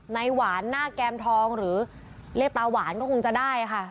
หวานหน้าแก้มทองหรือเรียกตาหวานก็คงจะได้ค่ะ